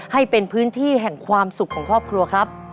ให้เป็นพื้นที่แห่งความสุขของครอบครัวครับ